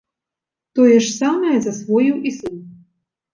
Тое ж самае засвоіў і сын.